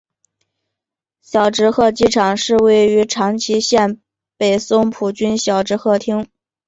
小值贺机场是位于长崎县北松浦郡小值贺町。